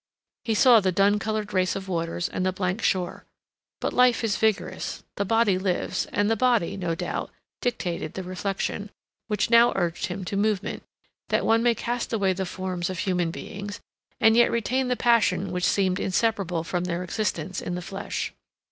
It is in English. He saw the dun colored race of waters and the blank shore. But life is vigorous; the body lives, and the body, no doubt, dictated the reflection, which now urged him to movement, that one may cast away the forms of human beings, and yet retain the passion which seemed inseparable from their existence in the flesh.